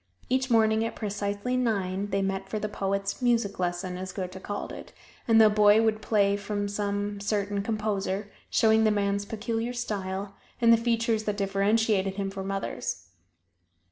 Each morning at precisely nine, they met for the poet's "music lesson," as Goethe called it, and the boy would play from some certain composer, showing the man's peculiar style, and the features that differentiated him from others.